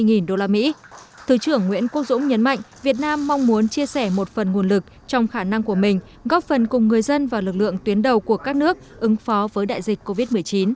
ngoại trưởng nguyễn quốc dũng nhấn mạnh việt nam mong muốn chia sẻ một phần nguồn lực trong khả năng của mình góp phần cùng người dân và lực lượng tuyến đầu của các nước ứng phó với đại dịch covid một mươi chín